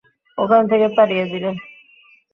ওখান থেকে তড়িয়ে দিলে।